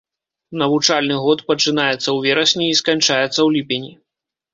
Навучальны год пачынаецца ў верасні і сканчаецца ў ліпені.